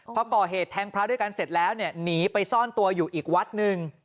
พอก่อเหตุแทงพระด้วยกันเสร็จแล้วเนี่ยหนีไปซ่อนตัวอยู่อีกวัดหนึ่ง